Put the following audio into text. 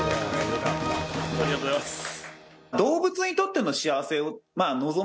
ありがとうございます。